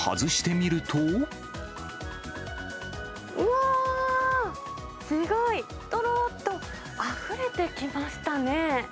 うわー、すごい！とろっとあふれてきましたね。